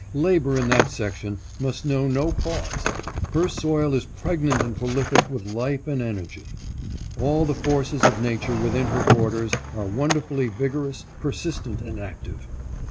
Labor in that section must know no pause. Her soil is pregnant and prolific with life and energy. All the forces of nature within her borders are wonderfully vigorous, per sistent, and active.